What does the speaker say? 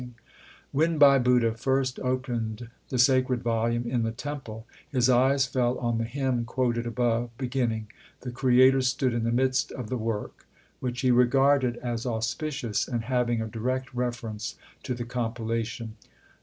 Ill JT 66 THE SIKH RELIGION When Bhai Budha first opened the sacred volume in the temple, his eyes fell on the hymn quoted above, beginning, The Creator stood in the midst of the work/ which he regarded as auspicious and having a direct reference to the compilation.